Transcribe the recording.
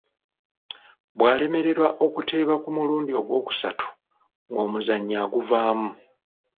Bw’alemererwa okuteeba ku mulundi ogwokusatu ng’omuzannyo aguvaamu.